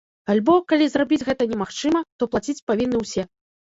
Альбо, калі зрабіць гэта немагчыма, то плаціць павінны ўсе.